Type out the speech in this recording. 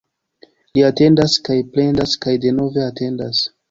Li atendas kaj plendas kaj denove atendas.